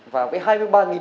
và có hai mươi ba lợi